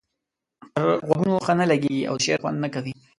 پر غوږونو ښه نه لګيږي او د شعر خوند نه کوي.